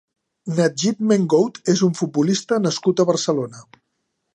Nadjib Mengoud és un futbolista nascut a Barcelona.